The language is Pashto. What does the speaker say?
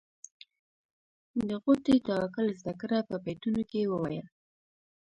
د غوټۍ توکل زده کړه په بیتونو کې وویل.